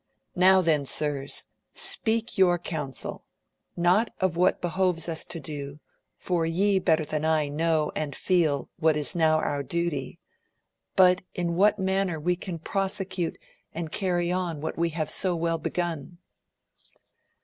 Now then, sirs, speak your coun sel, not of what behoves us to do, for ye better than I know and feel what is now our duty, but in what manner we can prosecute and carry on what we have so well begun.